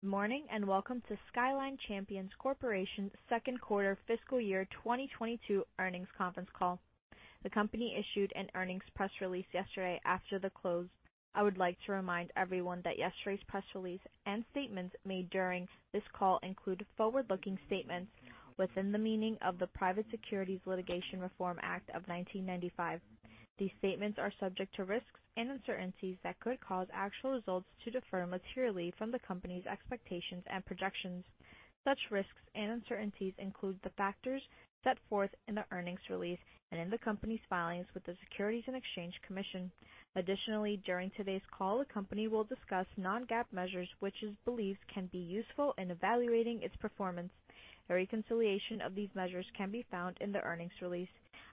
Good morning, and welcome to Skyline Champion Corporation's second quarter fiscal year 2022 earnings conference call. The company issued an earnings press release yesterday after the close. I would like to remind everyone that yesterday's press release and statements made during this call include forward-looking statements within the meaning of the Private Securities Litigation Reform Act of 1995. These statements are subject to risks and uncertainties that could cause actual results to differ materially from the company's expectations and projections. Such risks and uncertainties include the factors set forth in the earnings release and in the company's filings with the Securities and Exchange Commission. Additionally, during today's call, the company will discuss non-GAAP measures, which it believes can be useful in evaluating its performance. A reconciliation of these measures can be found in the earnings release.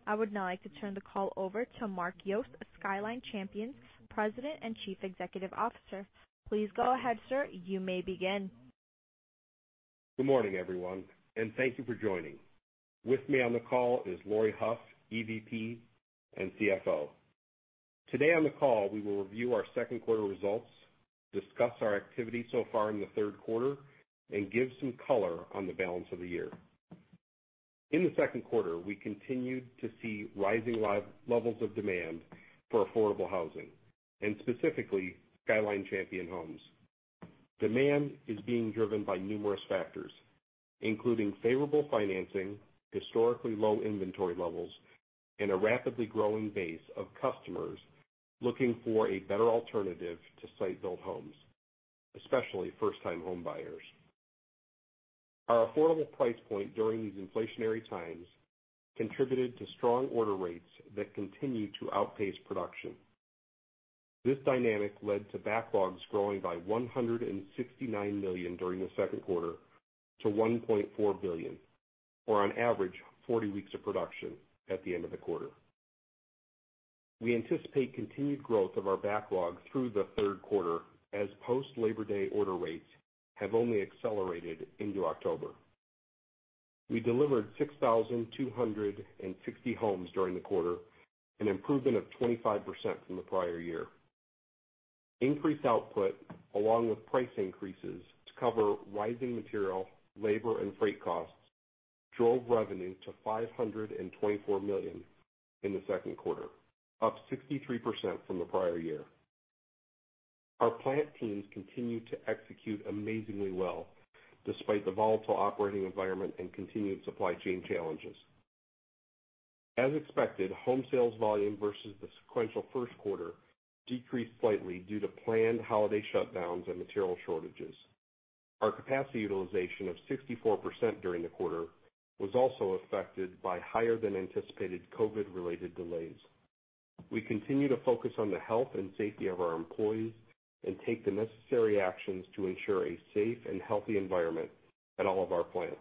I would now like to turn the call over to Mark Yost, Skyline Champion's President and Chief Executive Officer. Please go ahead, sir. You may begin. Good morning, everyone, and thank you for joining. With me on the call is Laurie Hough, EVP and CFO. Today on the call, we will review our second quarter results, discuss our activity so far in the third quarter, and give some color on the balance of the year. In the second quarter, we continued to see rising levels of demand for affordable housing and specifically Skyline Champion Homes. Demand is being driven by numerous factors, including favorable financing, historically low inventory levels, and a rapidly growing base of customers looking for a better alternative to site-built homes, especially first-time homebuyers. Our affordable price point during these inflationary times contributed to strong order rates that continue to outpace production. This dynamic led to backlogs growing by $169 million during the second quarter to $1.4 billion, or on average, 40 weeks of production at the end of the quarter. We anticipate continued growth of our backlog through the third quarter as post-Labor Day order rates have only accelerated into October. We delivered 6,260 homes during the quarter, an improvement of 25% from the prior year. Increased output along with price increases to cover rising material, labor, and freight costs drove revenue to $524 million in the second quarter, up 63% from the prior year. Our plant teams continue to execute amazingly well despite the volatile operating environment and continued supply chain challenges. As expected, home sales volume versus the sequential first quarter decreased slightly due to planned holiday shutdowns and material shortages. Our capacity utilization of 64% during the quarter was also affected by higher than anticipated COVID-related delays. We continue to focus on the health and safety of our employees and take the necessary actions to ensure a safe and healthy environment at all of our plants.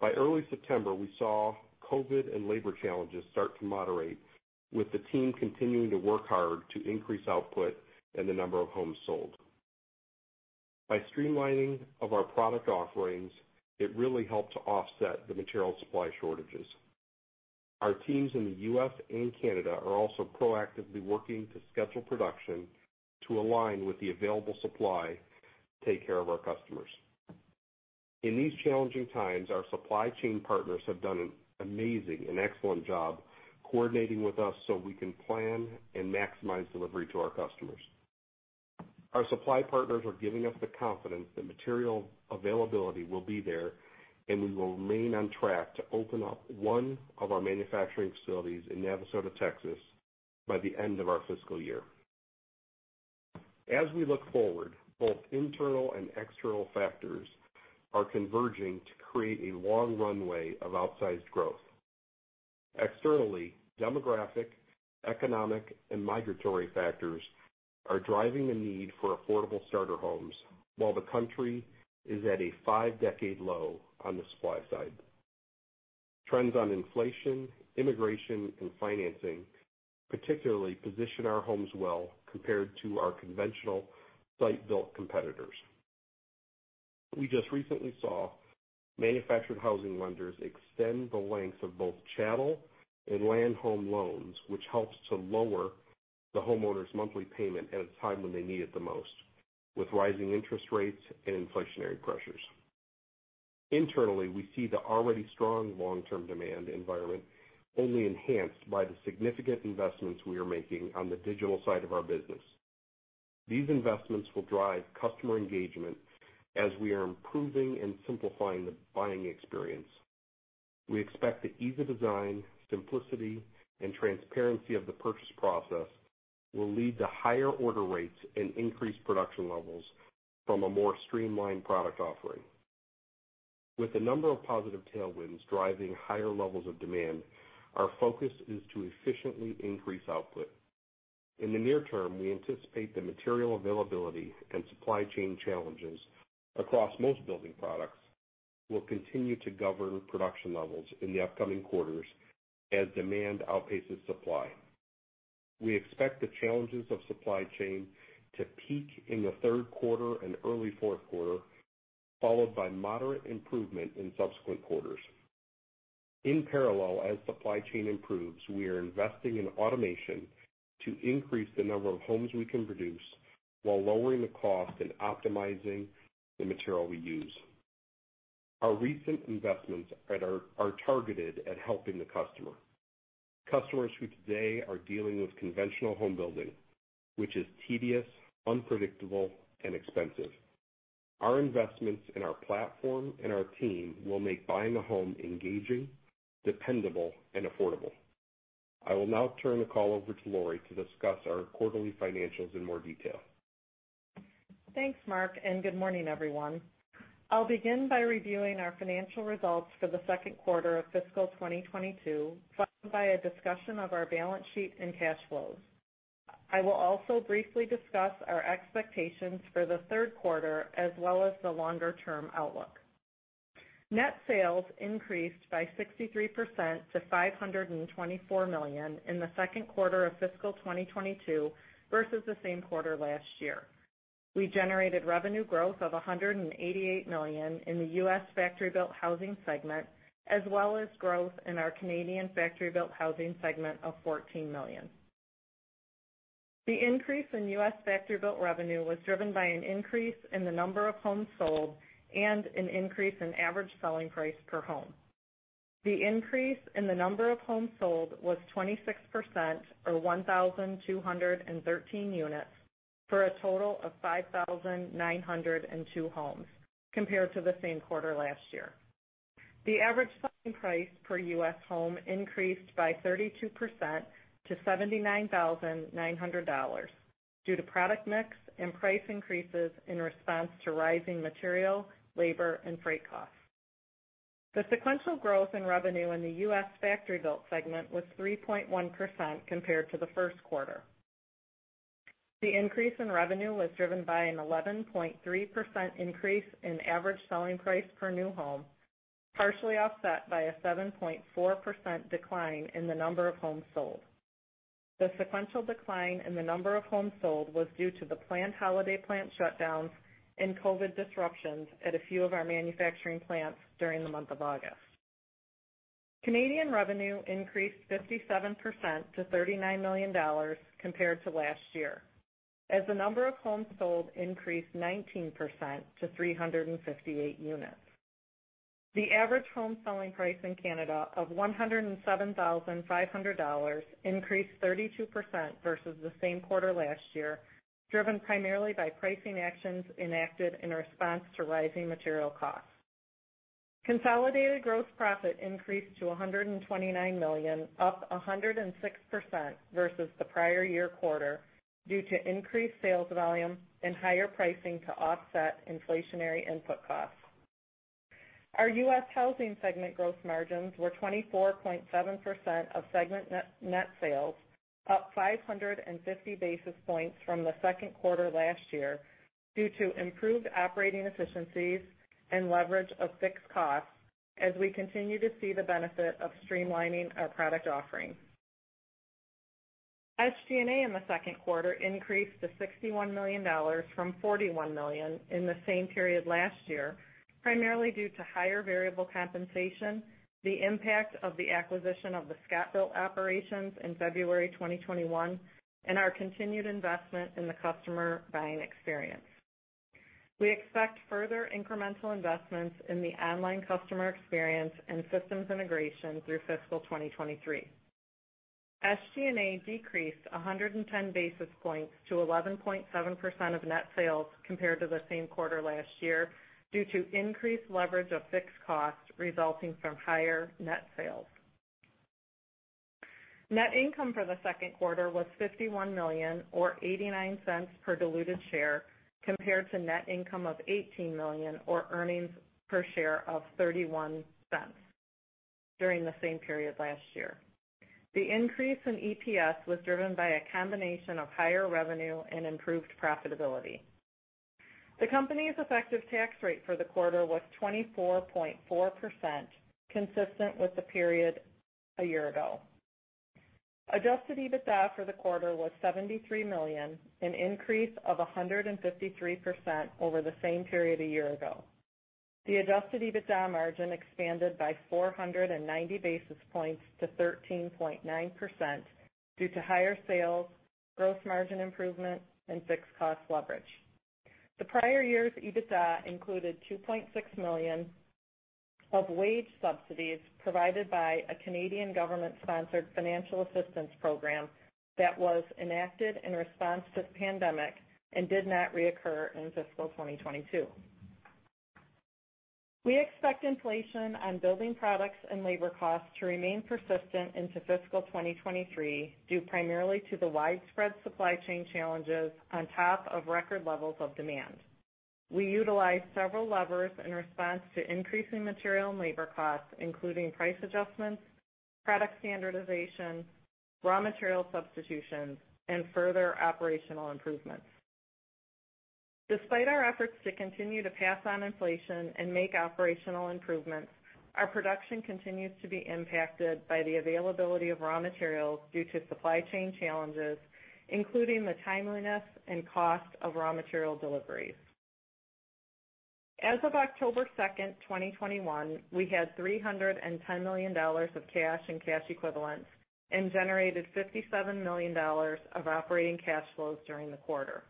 By early September, we saw COVID and labor challenges start to moderate, with the team continuing to work hard to increase output and the number of homes sold. By streamlining our product offerings, it really helped to offset the material supply shortages. Our teams in the U.S. and Canada are also proactively working to schedule production to align with the available supply to take care of our customers. In these challenging times, our supply chain partners have done an amazing and excellent job coordinating with us so we can plan and maximize delivery to our customers. Our supply partners are giving us the confidence that material availability will be there, and we will remain on track to open up one of our manufacturing facilities in Navasota, Texas, by the end of our fiscal year. As we look forward, both internal and external factors are converging to create a long runway of outsized growth. Externally, demographic, economic, and migratory factors are driving the need for affordable starter homes while the country is at a five-decade low on the supply side. Trends on inflation, immigration, and financing particularly position our homes well compared to our conventional site-built competitors. We just recently saw manufactured housing lenders extend the length of both chattel and land home loans, which helps to lower the homeowner's monthly payment at a time when they need it the most, with rising interest rates and inflationary pressures. Internally, we see the already strong long-term demand environment only enhanced by the significant investments we are making on the digital side of our business. These investments will drive customer engagement as we are improving and simplifying the buying experience. We expect the ease of design, simplicity, and transparency of the purchase process will lead to higher order rates and increased production levels from a more streamlined product offering. With the number of positive tailwinds driving higher levels of demand, our focus is to efficiently increase output. In the near term, we anticipate the material availability and supply chain challenges across most building products will continue to govern production levels in the upcoming quarters as demand outpaces supply. We expect the challenges of supply chain to peak in the third quarter and early fourth quarter, followed by moderate improvement in subsequent quarters. In parallel, as supply chain improves, we are investing in automation to increase the number of homes we can produce while lowering the cost and optimizing the material we use. Our recent investments are targeted at helping customers who today are dealing with conventional home building, which is tedious, unpredictable, and expensive. Our investments in our platform and our team will make buying a home engaging, dependable, and affordable. I will now turn the call over to Laurie to discuss our quarterly financials in more detail. Thanks, Mark, and good morning, everyone. I'll begin by reviewing our financial results for the second quarter of fiscal 2022, followed by a discussion of our balance sheet and cash flows. I will also briefly discuss our expectations for the third quarter as well as the longer-term outlook. Net sales increased by 63% to $524 million in the second quarter of fiscal 2022 versus the same quarter last year. We generated revenue growth of $188 million in the U.S. factory-built housing segment, as well as growth in our Canadian factory-built housing segment of $14 million. The increase in U.S. factory-built revenue was driven by an increase in the number of homes sold and an increase in average selling price per home. The increase in the number of homes sold was 26% or 1,213 units for a total of 5,902 homes compared to the same quarter last year. The average selling price per U.S. home increased by 32% to $79,900 due to product mix and price increases in response to rising material, labor, and freight costs. The sequential growth in revenue in the U.S. factory-built segment was 3.1% compared to the first quarter. The increase in revenue was driven by an 11.3% increase in average selling price per new home, partially offset by a 7.4% decline in the number of homes sold. The sequential decline in the number of homes sold was due to the planned holiday plant shutdowns and COVID disruptions at a few of our manufacturing plants during the month of August. Canadian revenue increased 57% to 39 million dollars compared to last year, as the number of homes sold increased 19% to 358 units. The average home selling price in Canada of 107,500 dollars increased 32% versus the same quarter last year, driven primarily by pricing actions enacted in response to rising material costs. Consolidated gross profit increased to $129 million, up 106% versus the prior year quarter due to increased sales volume and higher pricing to offset inflationary input costs. Our U.S. housing segment gross margins were 24.7% of segment net sales, up 550 basis points from the second quarter last year due to improved operating efficiencies and leverage of fixed costs as we continue to see the benefit of streamlining our product offerings. SG&A in the second quarter increased to $61 million from $41 million in the same period last year, primarily due to higher variable compensation, the impact of the acquisition of the ScotBilt Homes operations in February 2021, and our continued investment in the customer buying experience. We expect further incremental investments in the online customer experience and systems integration through fiscal 2023. SG&A decreased 110 basis points to 11.7% of net sales compared to the same quarter last year due to increased leverage of fixed costs resulting from higher net sales. Net income for the second quarter was $51 million or $0.89 per diluted share compared to net income of $18 million or earnings per share of $0.31 during the same period last year. The increase in EPS was driven by a combination of higher revenue and improved profitability. The company's effective tax rate for the quarter was 24.4%, consistent with the period a year ago. Adjusted EBITDA for the quarter was $73 million, an increase of 153% over the same period a year ago. The adjusted EBITDA margin expanded by 490 basis points to 13.9% due to higher sales, gross margin improvement, and fixed cost leverage. The prior year's EBITDA included $2.6 million of wage subsidies provided by a Canadian government-sponsored financial assistance program that was enacted in response to the pandemic and did not reoccur in fiscal 2022. We expect inflation on building products and labor costs to remain persistent into fiscal 2023, due primarily to the widespread supply chain challenges on top of record levels of demand. We utilized several levers in response to increasing material and labor costs, including price adjustments, product standardization, raw material substitutions, and further operational improvements. Despite our efforts to continue to pass on inflation and make operational improvements, our production continues to be impacted by the availability of raw materials due to supply chain challenges, including the timeliness and cost of raw material deliveries. As of October 2nd, 2021, we had $310 million of cash and cash equivalents and generated $57 million of operating cash flows during the quarter.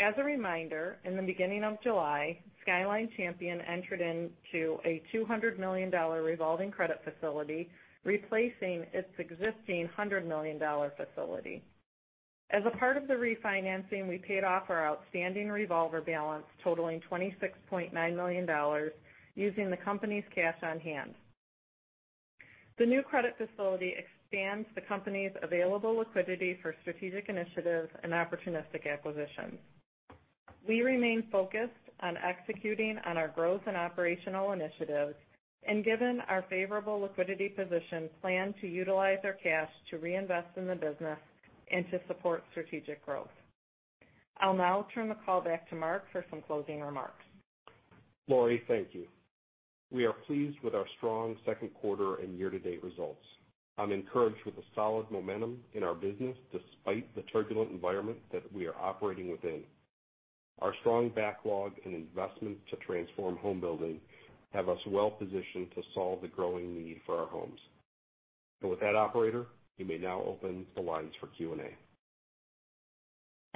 As a reminder, in the beginning of July, Skyline Champion entered into a $200 million revolving credit facility, replacing its existing $100 million facility. As a part of the refinancing, we paid off our outstanding revolver balance totaling $26.9 million using the company's cash on hand. The new credit facility expands the company's available liquidity for strategic initiatives and opportunistic acquisitions. We remain focused on executing on our growth and operational initiatives, and given our favorable liquidity position, plan to utilize our cash to reinvest in the business and to support strategic growth. I'll now turn the call back to Mark for some closing remarks. Laurie, thank you. We are pleased with our strong second quarter and year-to-date results. I'm encouraged with the solid momentum in our business despite the turbulent environment that we are operating within. Our strong backlog and investment to transform home building have us well positioned to solve the growing need for our homes. With that, operator, you may now open the lines for Q&A.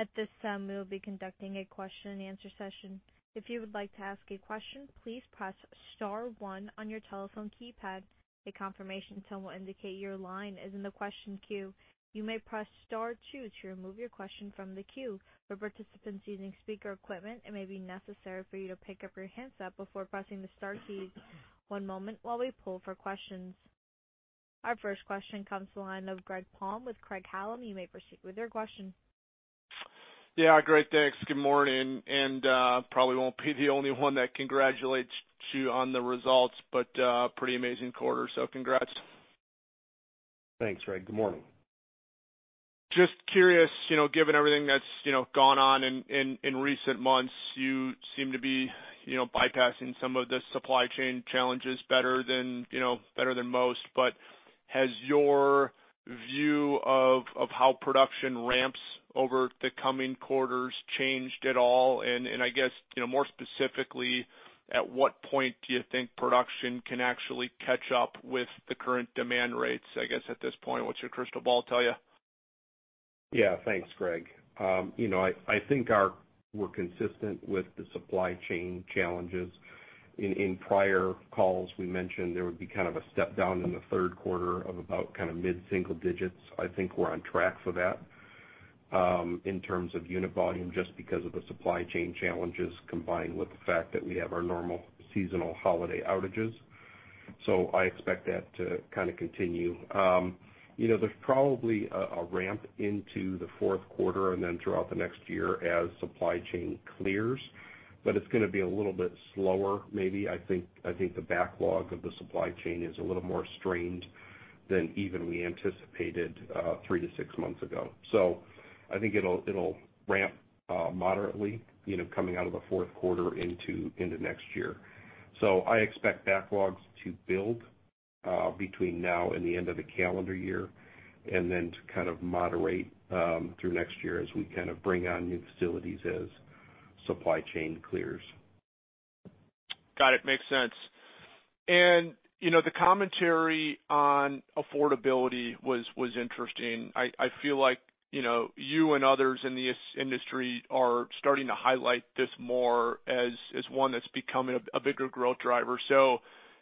At this time, we will be conducting a question and answer session. If you would like to ask a question, please press star one on your telephone keypad. A confirmation tone will indicate your line is in the question queue. You may press star two to remove your question from the queue. For participants using speaker equipment, it may be necessary for you to pick up your handset before pressing the star keys. One moment while we pull for questions. Our first question comes to the line of Greg Palm with Craig-Hallum. You may proceed with your question. Yeah, great. Thanks. Good morning, and probably won't be the only one that congratulates you on the results, but pretty amazing quarter. Congrats. Thanks, Greg. Good morning. Just curious, you know, given everything that's, you know, gone on in recent months, you seem to be, you know, bypassing some of the supply chain challenges better than, you know, better than most. Has your view of how production ramps over the coming quarters changed at all? I guess, you know, more specifically, at what point do you think production can actually catch up with the current demand rates? I guess at this point, what's your crystal ball tell you? Yeah. Thanks, Greg. I think we're consistent with the supply chain challenges. In prior calls, we mentioned there would be kind of a step-down in the third quarter of about kind of mid-single digits. I think we're on track for that, in terms of unit volume, just because of the supply chain challenges, combined with the fact that we have our normal seasonal holiday outages. I expect that to kind of continue. You know, there's probably a ramp into the fourth quarter and then throughout the next year as supply chain clears, but it's gonna be a little bit slower, maybe. I think the backlog of the supply chain is a little more strained than even we anticipated, 3-6 months ago. I think it'll ramp moderately, you know, coming out of the fourth quarter into next year. I expect backlogs to build between now and the end of the calendar year, and then to kind of moderate through next year as we kind of bring on new facilities as supply chain clears. Got it. Makes sense. You know, the commentary on affordability was interesting. I feel like, you know, you and others in this industry are starting to highlight this more as one that's becoming a bigger growth driver.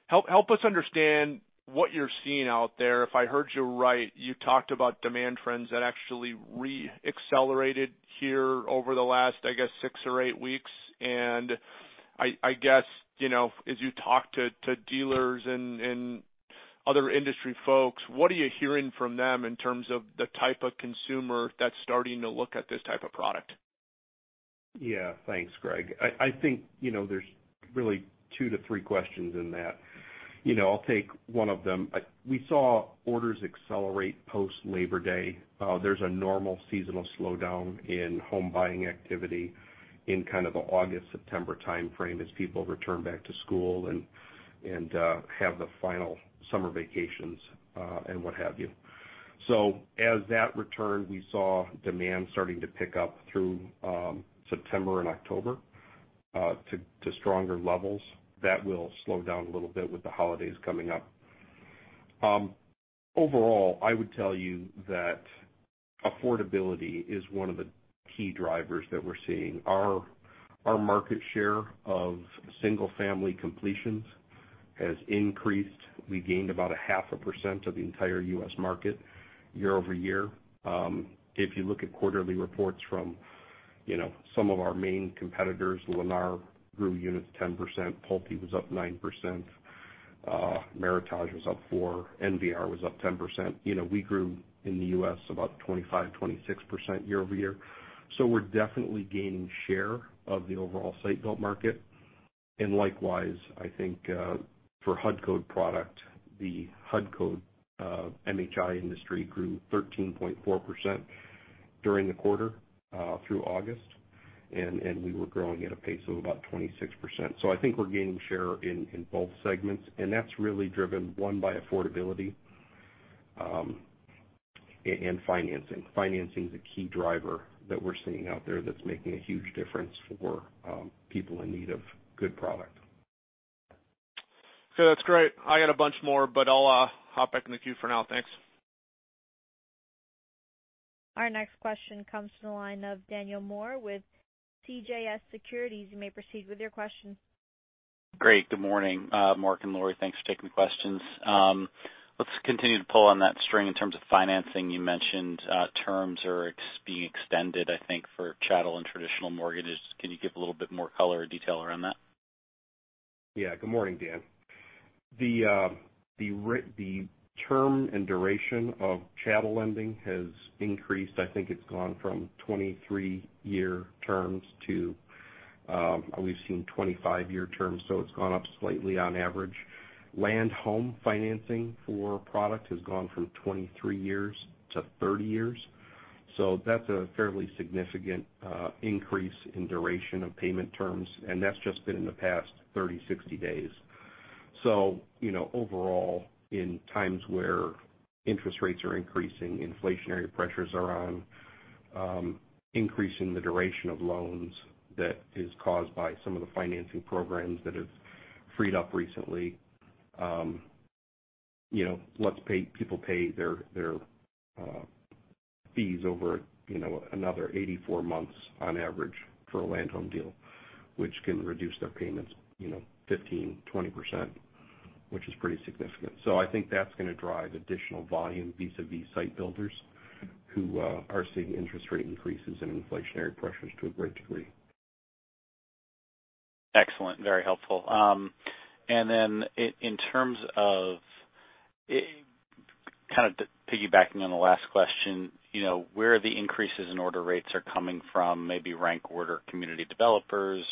Help us understand what you're seeing out there. If I heard you right, you talked about demand trends that actually re-accelerated here over the last, I guess, six or eight weeks. I guess, you know, as you talk to dealers and other industry folks, what are you hearing from them in terms of the type of consumer that's starting to look at this type of product? Yeah. Thanks, Greg. I think, you know, there's really 2-3 questions in that. You know, I'll take one of them. We saw orders accelerate post Labor Day. There's a normal seasonal slowdown in home buying activity in kind of the August-September timeframe as people return back to school and have the final summer vacations, and what have you. As that returned, we saw demand starting to pick up through September and October to stronger levels. That will slow down a little bit with the holidays coming up. Overall, I would tell you that affordability is one of the key drivers that we're seeing. Our market share of single-family completions has increased. We gained about 0.5% of the entire U.S. market year-over-year. If you look at quarterly reports from, you know, some of our main competitors, Lennar grew units 10%, Pulte was up 9%, Meritage was up 4%, NVR was up 10%. You know, we grew in the U.S. about 25-26% year-over-year. We're definitely gaining share of the overall site-built market. Likewise, I think, for HUD Code product, the HUD Code, MHI industry grew 13.4% during the quarter, through August, and we were growing at a pace of about 26%. I think we're gaining share in both segments, and that's really driven, one, by affordability, and financing. Financing is a key driver that we're seeing out there that's making a huge difference for people in need of good product. Okay, that's great. I got a bunch more, but I'll hop back in the queue for now. Thanks. Our next question comes from the line of Daniel Moore with CJS Securities. You may proceed with your question. Great. Good morning, Mark and Laurie. Thanks for taking the questions. Let's continue to pull on that string in terms of financing. You mentioned terms are being extended, I think, for chattel and traditional mortgages. Can you give a little bit more color or detail around that? Yeah. Good morning, Dan. The term and duration of chattel lending has increased. I think it's gone from 23-year terms to we've seen 25-year terms. It's gone up slightly on average. Land-home financing for product has gone from 23 years to 30 years. That's a fairly significant increase in duration of payment terms, and that's just been in the past 30-60 days. You know, overall, in times where interest rates are increasing, inflationary pressures are on, increasing the duration of loans that is caused by some of the financing programs that have freed up recently, you know, lets people pay their fees over, you know, another 84 months on average for a land-home deal, which can reduce their payments, you know, 15-20%, which is pretty significant. I think that's gonna drive additional volume vis-a-vis site builders who are seeing interest rate increases and inflationary pressures to a great degree. Excellent. Very helpful. In terms of kind of piggybacking on the last question, you know, where the increases in order rates are coming from, maybe rank order community developers,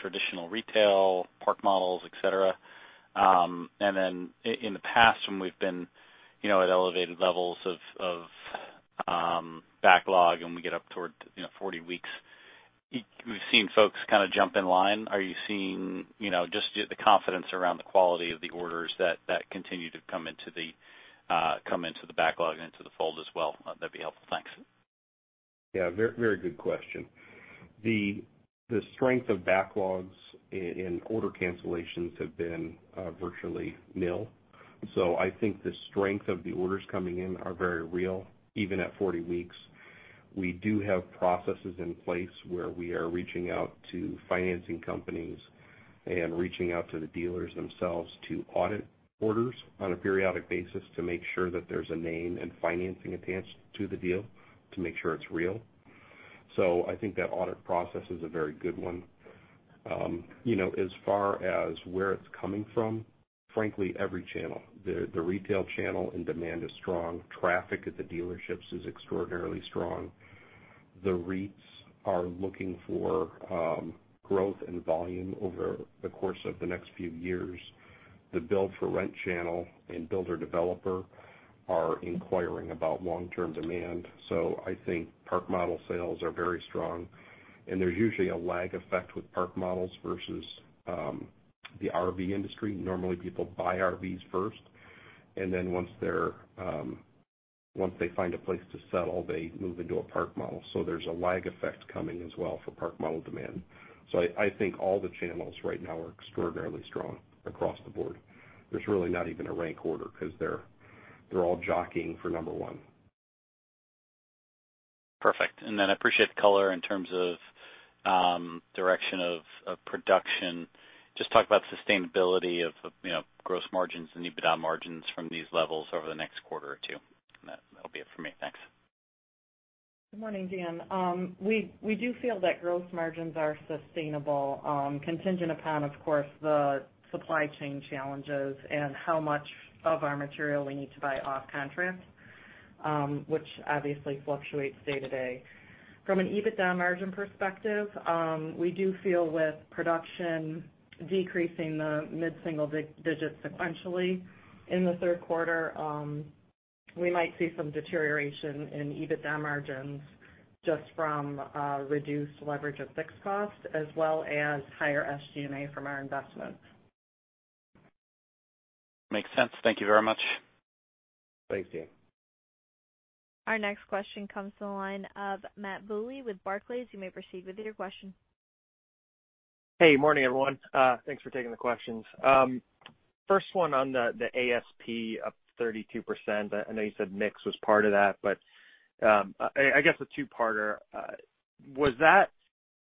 traditional retail, park models, et cetera. In the past when we've been, you know, at elevated levels of backlog and we get up toward 40 weeks, we've seen folks kinda jump in line. Are you seeing, you know, just the confidence around the quality of the orders that continue to come into the backlog and into the fold as well? That'd be helpful. Thanks. Yeah, very good question. The strength of backlogs and order cancellations have been virtually nil. I think the strength of the orders coming in are very real, even at 40 weeks. We do have processes in place where we are reaching out to financing companies and reaching out to the dealers themselves to audit orders on a periodic basis to make sure that there's a name and financing attached to the deal to make sure it's real. I think that audit process is a very good one. You know, as far as where it's coming from, frankly, every channel. The retail channel and demand is strong. Traffic at the dealerships is extraordinarily strong. The REITs are looking for growth and volume over the course of the next few years. The build-for-rent channel and builder developer are inquiring about long-term demand. I think park model sales are very strong, and there's usually a lag effect with park models versus the RV industry. Normally, people buy RVs first, and then once they're once they find a place to settle, they move into a park model. There's a lag effect coming as well for park model demand. I think all the channels right now are extraordinarily strong across the board. There's really not even a rank order 'cause they're all jockeying for number one. Perfect. I appreciate the color in terms of direction of production. Just talk about sustainability of you know gross margins and EBITDA margins from these levels over the next quarter or two. That, that'll be it for me. Thanks. Good morning, Dan. We do feel that gross margins are sustainable, contingent upon, of course, the supply chain challenges and how much of our material we need to buy off-contract, which obviously fluctuates day to day. From an EBITDA margin perspective, we do feel with production decreasing the mid-single digits sequentially in the third quarter, we might see some deterioration in EBITDA margins just from reduced leverage of fixed cost as well as higher SG&A from our investments. Makes sense. Thank you very much. Thanks, Dan. Our next question comes to the line of Matt Bouley with Barclays. You may proceed with your question. Hey, morning, everyone. Thanks for taking the questions. First one on the ASP up 32%. I know you said mix was part of that, but I guess a two-parter. Was that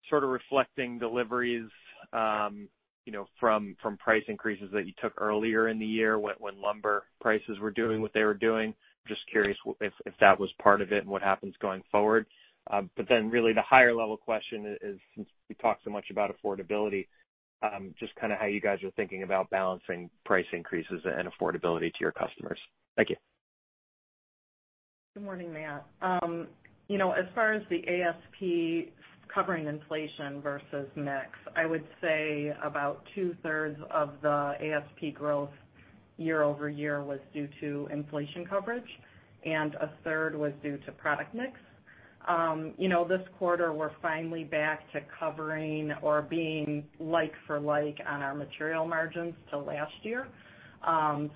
sort of reflecting deliveries, you know, from price increases that you took earlier in the year when lumber prices were doing what they were doing? Just curious if that was part of it and what happens going forward. Really the higher level question is, since we talk so much about affordability, just kinda how you guys are thinking about balancing price increases and affordability to your customers. Thank you. Good morning, Matt. You know, as far as the ASP covering inflation versus mix, I would say about two-thirds of the ASP growth year over year was due to inflation coverage, and a third was due to product mix. You know, this quarter we're finally back to covering or being like for like on our material margins to last year.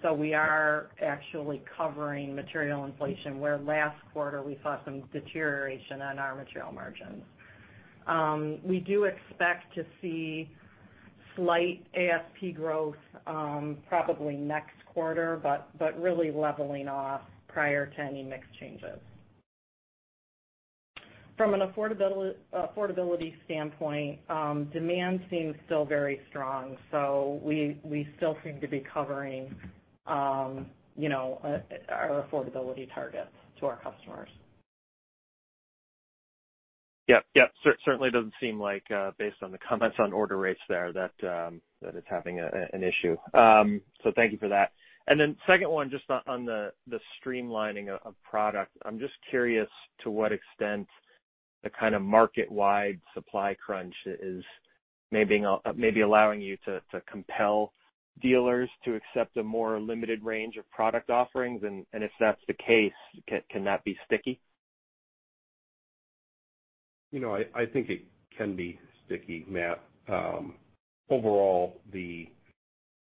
So we are actually covering material inflation, where last quarter we saw some deterioration on our material margins. We do expect to see slight ASP growth, probably next quarter, but really leveling off prior to any mix changes. From an affordability standpoint, demand seems still very strong, so we still seem to be covering, you know, our affordability targets to our customers. Yep, yep. Certainly doesn't seem like, based on the comments on order rates there, that it's having an issue. Thank you for that. Second one, just on the streamlining of product. I'm just curious to what extent the kind of market-wide supply crunch is maybe allowing you to compel dealers to accept a more limited range of product offerings. If that's the case, can that be sticky? You know, I think it can be sticky, Matt. Overall, the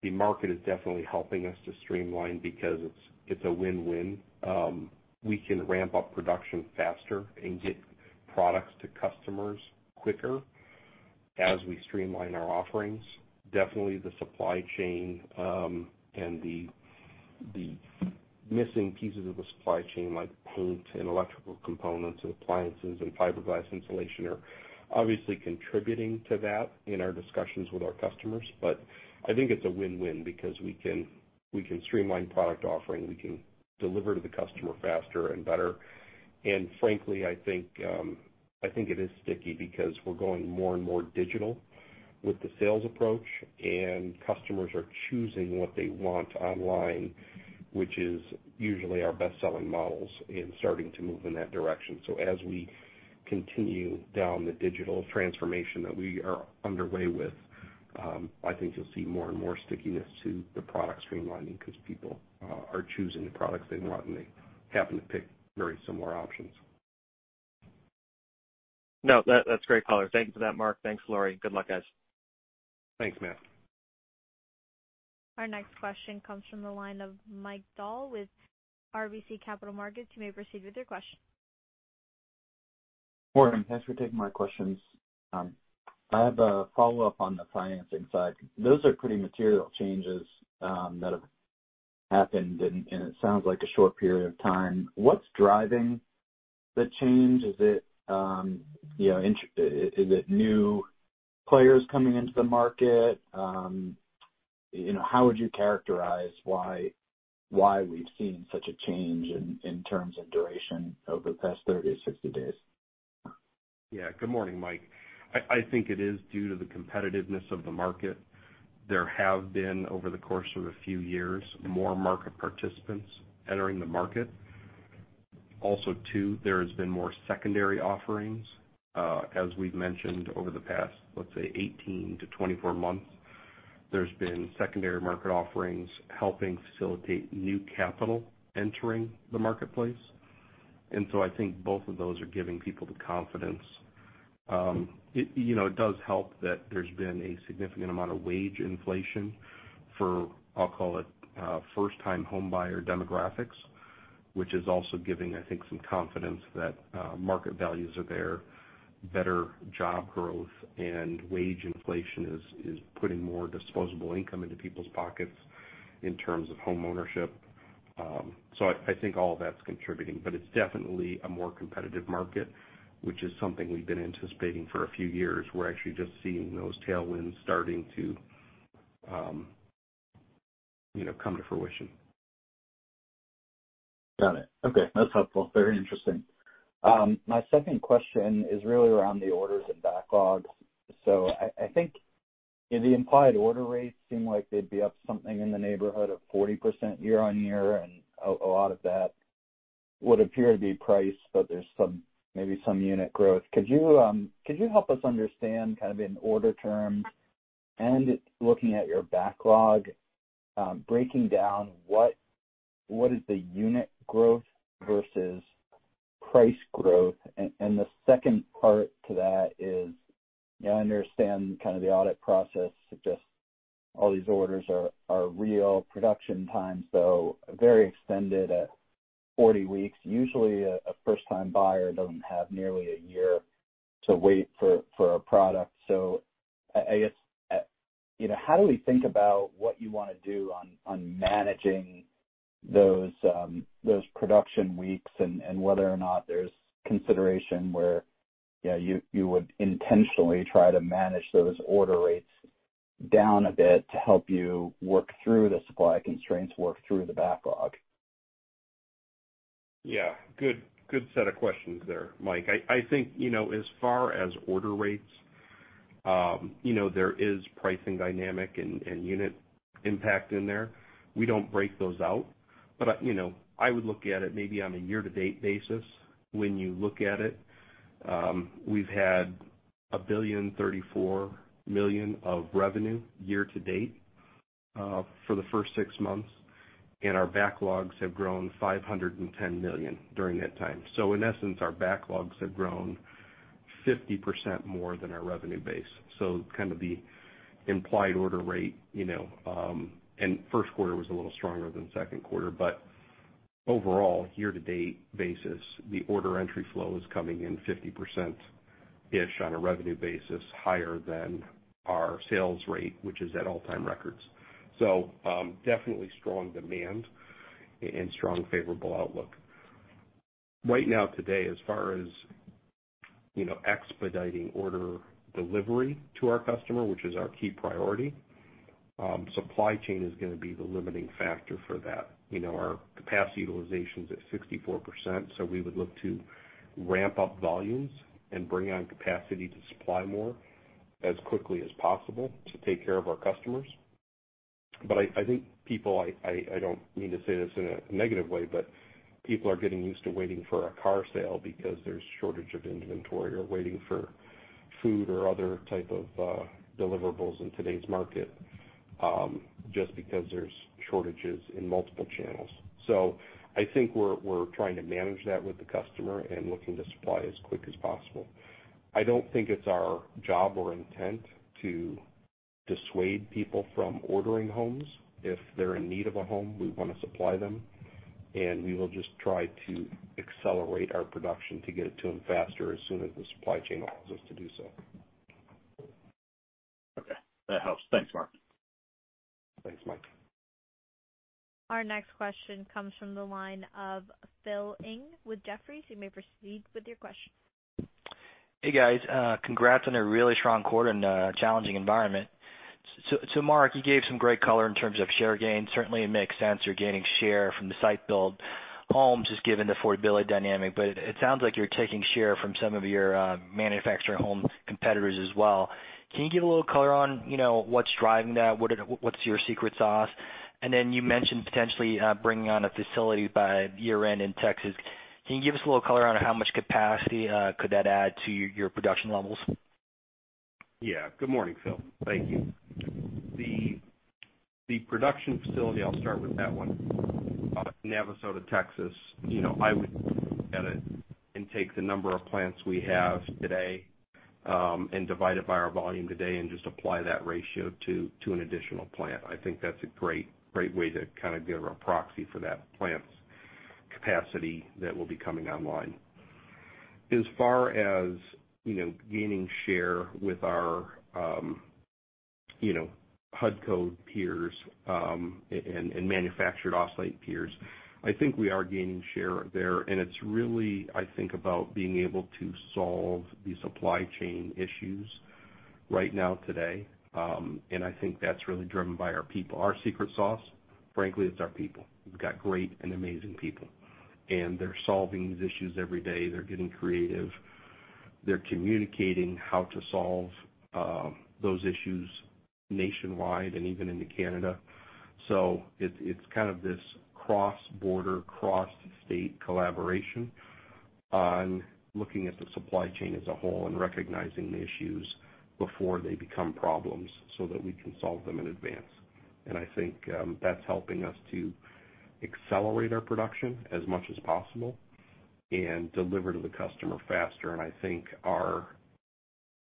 market is definitely helping us to streamline because it's a win-win. We can ramp up production faster and get products to customers quicker as we streamline our offerings. Definitely the supply chain and the missing pieces of the supply chain, like paint and electrical components and appliances and fiberglass insulation are obviously contributing to that in our discussions with our customers. But I think it's a win-win because we can streamline product offering, we can deliver to the customer faster and better. Frankly, I think it is sticky because we're going more and more digital with the sales approach, and customers are choosing what they want online, which is usually our best-selling models, and starting to move in that direction. As we continue down the digital transformation that we are underway with, I think you'll see more and more stickiness to the product streamlining because people are choosing the products they want, and they happen to pick very similar options. No, that's great color. Thank you for that, Mark. Thanks, Laurie. Good luck, guys. Thanks, Matt. Our next question comes from the line of Mike Dahl with RBC Capital Markets. You may proceed with your question. Morning. Thanks for taking my questions. I have a follow-up on the financing side. Those are pretty material changes that have happened, and it sounds like a short period of time. What's driving the change? Is it, you know, is it new players coming into the market? You know, how would you characterize why we've seen such a change in terms of duration over the past 30-60 days? Yeah. Good morning, Mike. I think it is due to the competitiveness of the market. There have been, over the course of a few years, more market participants entering the market. Also, too, there has been more secondary offerings. As we've mentioned over the past, let's say 18-24 months, there's been secondary market offerings helping facilitate new capital entering the marketplace. I think both of those are giving people the confidence. It, you know, it does help that there's been a significant amount of wage inflation for, I'll call it, first-time homebuyer demographics, which is also giving, I think, some confidence that market values are there. Better job growth and wage inflation is putting more disposable income into people's pockets in terms of homeownership. I think all that's contributing, but it's definitely a more competitive market, which is something we've been anticipating for a few years. We're actually just seeing those tailwinds starting to, you know, come to fruition. Got it. Okay, that's helpful. Very interesting. My second question is really around the orders and backlogs. I think the implied order rates seem like they'd be up something in the neighborhood of 40% year-over-year, and a lot of that would appear to be price, but there's some, maybe some unit growth. Could you help us understand kind of in order terms and looking at your backlog, breaking down what is the unit growth versus price growth? And the second part to that is I understand kind of the audit process suggests all these orders are real production times, though very extended at 40 weeks. Usually a first-time buyer doesn't have nearly a year to wait for a product. I guess, you know, how do we think about what you wanna do on managing those production weeks and whether or not there's consideration where, you know, you would intentionally try to manage those order rates down a bit to help you work through the supply constraints, work through the backlog? Yeah. Good set of questions there, Mike. I think, you know, as far as order rates, you know, there is pricing dynamic and unit impact in there. We don't break those out. You know, I would look at it maybe on a year-to-date basis when you look at it. We've had $1.034 billion of revenue year-to-date for the first six months, and our backlogs have grown $510 million during that time. In essence, our backlogs have grown 50% more than our revenue base. Kind of the implied order rate, you know, and first quarter was a little stronger than second quarter, but overall year-to-date basis, the order entry flow is coming in 50%-ish on a revenue basis, higher than our sales rate, which is at all-time records. Definitely strong demand and strong favorable outlook. Right now today, as far as, you know, expediting order delivery to our customer, which is our key priority, supply chain is gonna be the limiting factor for that. You know, our capacity utilization is at 64%, so we would look to ramp up volumes and bring on capacity to supply more as quickly as possible to take care of our customers. I don't mean to say this in a negative way, but people are getting used to waiting for a car sale because there's shortage of inventory or waiting for food or other type of deliverables in today's market, just because there's shortages in multiple channels. I think we're trying to manage that with the customer and looking to supply as quick as possible. I don't think it's our job or intent to dissuade people from ordering homes. If they're in need of a home, we wanna supply them, and we will just try to accelerate our production to get it to them faster as soon as the supply chain allows us to do so. Okay, that helps. Thanks, Mark. Thanks, Mike. Our next question comes from the line of Phil Ng with Jefferies. You may proceed with your question. Hey, guys. Congrats on a really strong quarter in a challenging environment. Mark, you gave some great color in terms of share gains. Certainly it makes sense you're gaining share from the site-built homes just given the affordability dynamic, but it sounds like you're taking share from some of your manufactured home competitors as well. Can you give a little color on, you know, what's driving that? What's your secret sauce? You mentioned potentially bringing on a facility by year-end in Texas. Can you give us a little color on how much capacity that could add to your production levels? Yeah. Good morning, Phil. Thank you. The production facility, I'll start with that one. Navasota, Texas, you know, I would look at it and take the number of plants we have today, and divide it by our volume today and just apply that ratio to an additional plant. I think that's a great way to kind of give a proxy for that plant's capacity that will be coming online. As far as, you know, gaining share with our, you know, HUD Code peers, and manufactured off-site peers, I think we are gaining share there, and it's really, I think about being able to solve the supply chain issues right now today. I think that's really driven by our people. Our secret sauce, frankly, it's our people. We've got great and amazing people, and they're solving these issues every day. They're getting creative. They're communicating how to solve those issues nationwide and even into Canada. It's kind of this cross-border, cross-state collaboration on looking at the supply chain as a whole and recognizing the issues before they become problems so that we can solve them in advance. I think that's helping us to accelerate our production as much as possible and deliver to the customer faster. I think our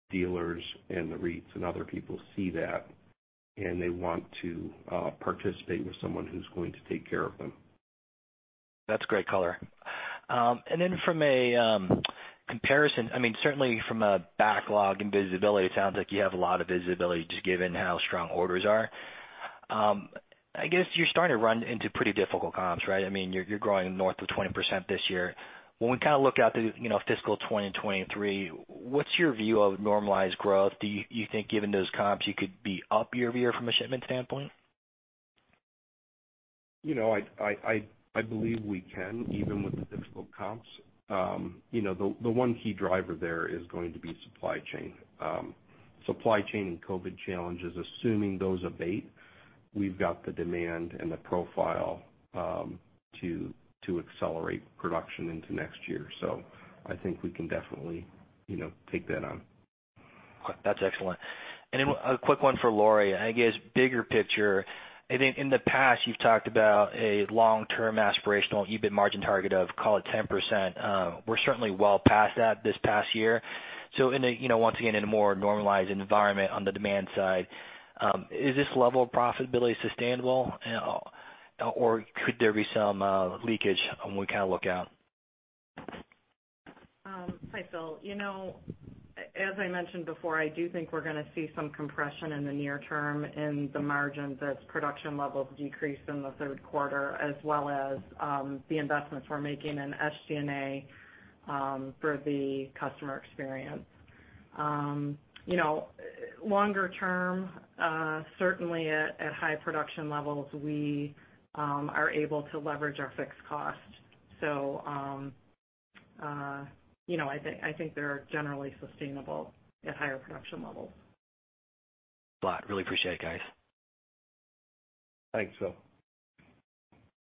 dealers and the REITs and other people see that, and they want to participate with someone who's going to take care of them. That's great color. From a comparison, I mean, certainly from a backlog and visibility, it sounds like you have a lot of visibility just given how strong orders are. I guess you're starting to run into pretty difficult comps, right? I mean, you're growing north of 20% this year. When we kind of look out to, you know, fiscal 2020 and 2023, what's your view of normalized growth? Do you think given those comps, you could be up year-over-year from a shipment standpoint? You know, I believe we can, even with the difficult comps. You know, the one key driver there is going to be supply chain and COVID challenges, assuming those abate, we've got the demand and the profile to accelerate production into next year. I think we can definitely, you know, take that on. That's excellent. A quick one for Laurie. I guess, bigger picture, I think in the past, you've talked about a long-term aspirational EBIT margin target of, call it 10%. We're certainly well past that this past year. You know, once again, in a more normalized environment on the demand side, is this level of profitability sustainable? Or could there be some leakage when we kind of look out? Hi, Phil. You know, as I mentioned before, I do think we're gonna see some compression in the near term in the margins as production levels decrease in the third quarter as well as the investments we're making in SG&A for the customer experience. You know, longer term, certainly at high production levels, we are able to leverage our fixed costs. You know, I think they're generally sustainable at higher production levels. Thanks a lot. Really appreciate it, guys. Thanks, Phil.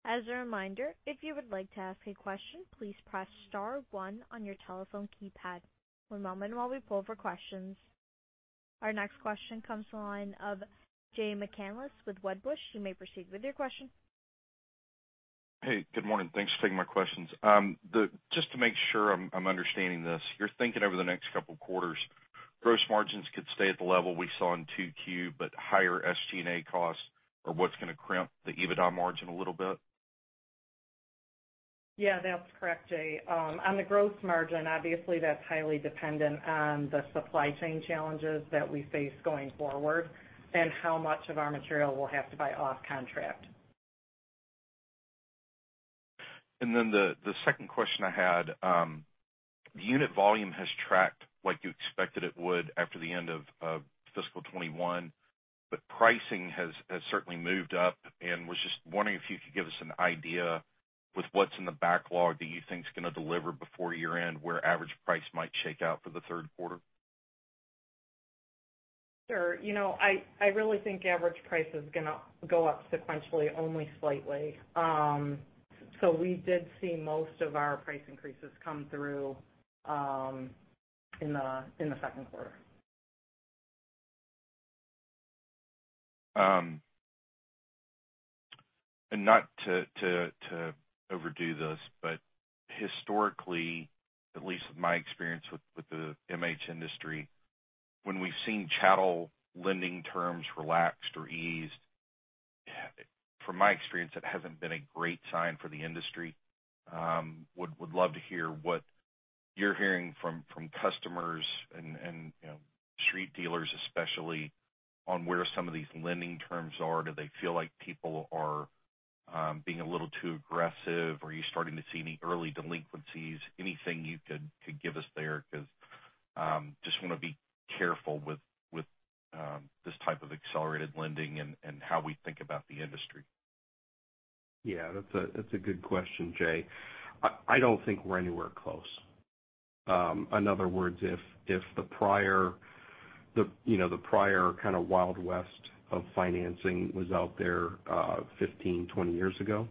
As a reminder, if you would like to ask a question, please press star one on your telephone keypad. One moment while we pull for questions. Our next question comes to the line of Jay McCanless with Wedbush. You may proceed with your question. Hey, good morning. Thanks for taking my questions. Just to make sure I'm understanding this, you're thinking over the next couple quarters, gross margins could stay at the level we saw in 2Q, but higher SG&A costs are what's gonna crimp the EBITDA margin a little bit? Yeah, that's correct, Jay. On the growth margin, obviously that's highly dependent on the supply chain challenges that we face going forward and how much of our material we'll have to buy off contract. The second question I had, the unit volume has tracked like you expected it would after the end of fiscal 2021, but pricing has certainly moved up and was just wondering if you could give us an idea with what's in the backlog that you think is gonna deliver before year-end, where average price might shake out for the third quarter. Sure. You know, I really think average price is gonna go up sequentially only slightly. We did see most of our price increases come through in the second quarter. Not to overdo this, but historically, at least with my experience with the MH industry, when we've seen chattel lending terms relaxed or eased, from my experience, it hasn't been a great sign for the industry. Would love to hear what you're hearing from customers and you know, street dealers especially on where some of these lending terms are. Do they feel like people are being a little too aggressive? Are you starting to see any early delinquencies? Anything you could give us there, 'cause just wanna be careful with this type of accelerated lending and how we think about the industry. Yeah, that's a good question, Jay. I don't think we're anywhere close. In other words, if the prior, you know, the prior kinda wild west of financing was out there, 15-20 years ago,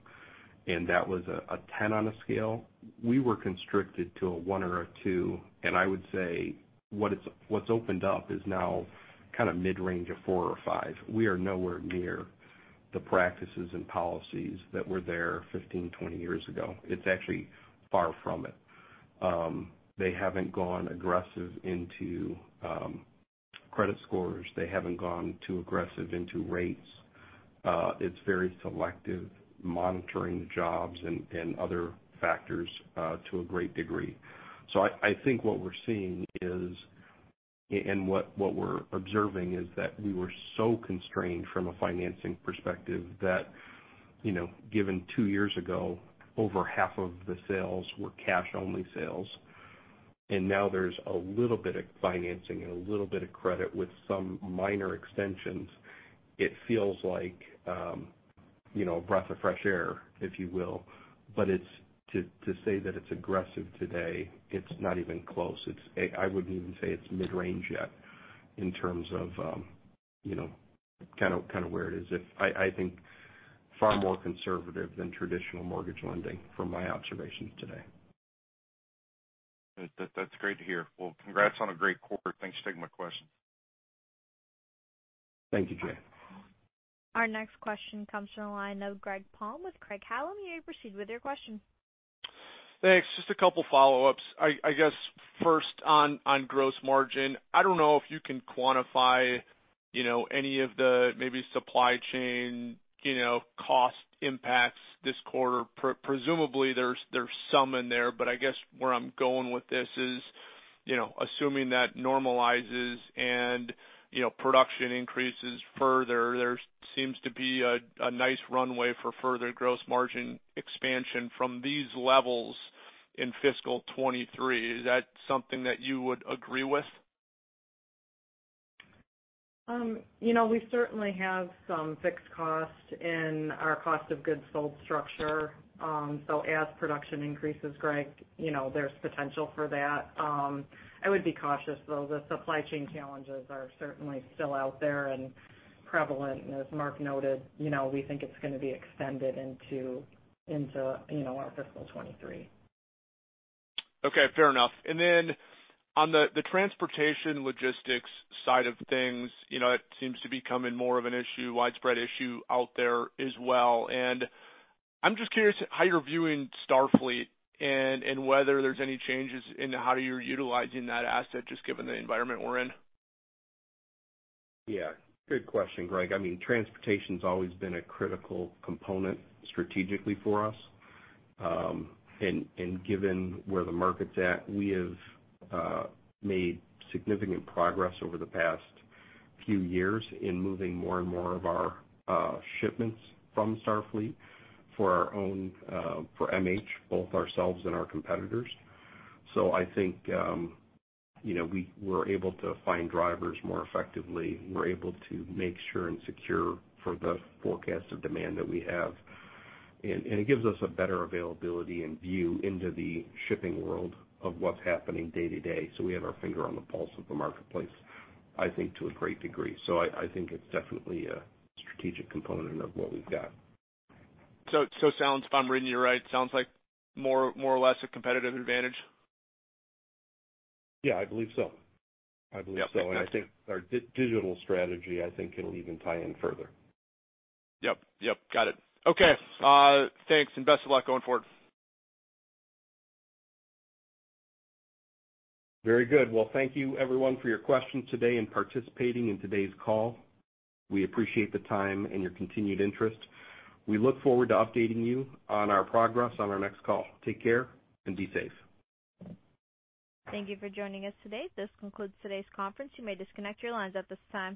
and that was a 10 on a scale, we were constricted to a one or a two. I would say what's opened up is now kinda mid-range of four or five. We are nowhere near the practices and policies that were there 15-20 years ago. It's actually far from it. They haven't gone aggressive into credit scores. They haven't gone too aggressive into rates. It's very selective monitoring the jobs and other factors to a great degree. I think what we're seeing is, and what we're observing, is that we were so constrained from a financing perspective that, you know, given two years ago, over half of the sales were cash-only sales, and now there's a little bit of financing and a little bit of credit with some minor extensions. It feels like, you know, a breath of fresh air, if you will. To say that it's aggressive today, it's not even close. I wouldn't even say it's mid-range yet in terms of, you know, kinda where it is. I think far more conservative than traditional mortgage lending from my observations today. That's great to hear. Well, congrats on a great quarter. Thanks for taking my question. Thank you, Jay. Our next question comes from the line of Greg Palm with Craig-Hallum. You may proceed with your question. Thanks. Just a couple follow-ups. I guess first on gross margin. I don't know if you can quantify, you know, any of the maybe supply chain, you know, cost impacts this quarter. Presumably there's some in there, but I guess where I'm going with this is, you know, assuming that normalizes and, you know, production increases further, there seems to be a nice runway for further gross margin expansion from these levels in fiscal 2023. Is that something that you would agree with? You know, we certainly have some fixed cost in our cost of goods sold structure. As production increases, Greg, you know, there's potential for that. I would be cautious though. The supply chain challenges are certainly still out there and prevalent, and as Mark noted, you know, we think it's gonna be extended into our fiscal 2023. Okay. Fair enough. On the transportation logistics side of things, you know, it seems to be becoming more of an issue, widespread issue out there as well. I'm just curious how you're viewing Star Fleet and whether there's any changes in how you're utilizing that asset just given the environment we're in. Yeah. Good question, Greg. I mean, transportation's always been a critical component strategically for us. Given where the market's at, we have made significant progress over the past few years in moving more and more of our shipments to Star Fleet for our own MH, both ourselves and our competitors. I think, you know, we were able to find drivers more effectively. We're able to make sure and secure for the forecasted demand that we have. It gives us a better availability and view into the shipping world of what's happening day to day. We have our finger on the pulse of the marketplace, I think, to a great degree. I think it's definitely a strategic component of what we've got. It sounds, if I'm reading you right, sounds like more or less a competitive advantage. Yeah, I believe so. Yeah. Makes sense. I think our digital strategy. I think it'll even tie in further. Yep. Got it. Okay. Thanks and best of luck going forward. Very good. Well, thank you everyone for your questions today and participating in today's call. We appreciate the time and your continued interest. We look forward to updating you on our progress on our next call. Take care and be safe. Thank you for joining us today. This concludes today's conference. You may disconnect your lines at this time.